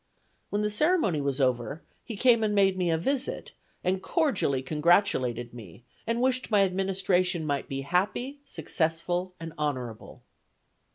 When the ceremony was over, he came and made me a visit, and cordially congratulated me, and wished my administration might be happy, successful and honorable."